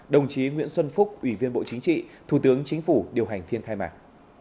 đồng chí nguyễn xuân phúc ủy viên bộ chính trị thủ tướng chính phủ điều hành phiên khai mạc